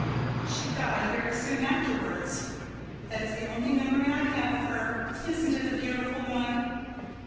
She died very soon afterwards. That is the only memory I have of her. Isn't it a beautiful one?"